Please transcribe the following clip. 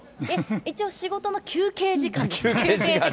一応、仕事の休憩時間です。